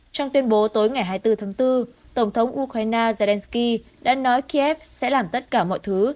trong tuyên bố tối ngày hai mươi bốn tháng bốn tổng thống ukraine zelensky đã nói kiev sẽ làm tất cả mọi thứ